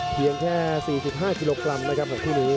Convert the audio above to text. เพียงแค่๔๕กิโลกรัมนะครับของคู่นี้